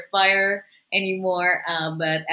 tapi pada saat yang sama